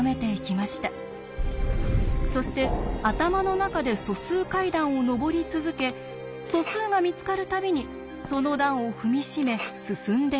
そして頭の中で素数階段を上り続け素数が見つかる度にその段を踏み締め進んでいきました。